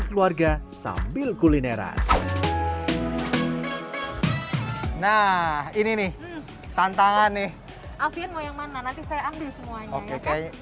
keluarga sambil kulineran nah ini nih tantangan nih alfian mau yang mana nanti saya ambil semuanya oke